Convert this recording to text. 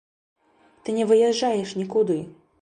Ты не выязджаеш нікуды.